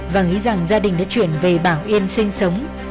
và nghĩ rằng gia đình đã chuyển về bảo yên sinh sống